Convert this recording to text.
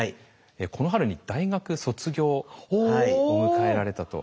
この春に大学卒業を迎えられたと。